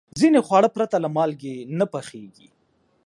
ځینې خواړه پرته له مالګې نه پخېږي.